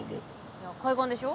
いや海岸でしょ。